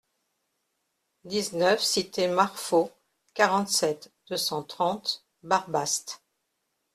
dix-neuf cité Marfaut, quarante-sept, deux cent trente, Barbaste